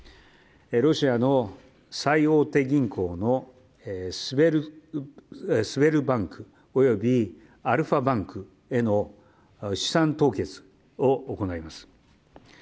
ロシアの最大手銀行のスウェルバンクおよびアルファバンクへの資産凍結を行います。